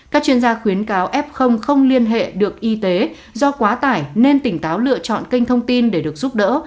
các chuyên gia khuyến cáo f không liên hệ được y tế do quá tải nên tỉnh táo lựa chọn kênh thông tin để được giúp đỡ